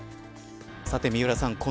さて三浦さん